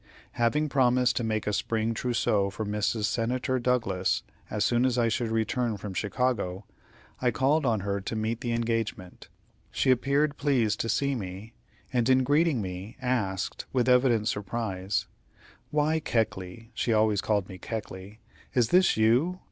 Having promised to make a spring trousseau for Mrs. Senator Douglas as soon as I should return from Chicago, I called on her to meet the engagement. She appeared pleased to see me, and in greeting me, asked, with evident surprise: "Why, Keckley" she always called me Keckley "is this you?